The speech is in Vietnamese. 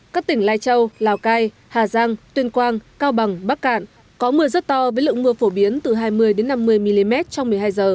các tỉnh lai châu lào cai hà giang tuyên quang cao bằng bắc cạn có mưa rất to với lượng mưa phổ biến từ hai mươi năm mươi mm trong một mươi hai h